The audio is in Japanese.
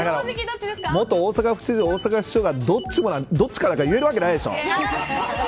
元大阪府知事、大阪市長がどっちかなんて言えるわけないでしょう。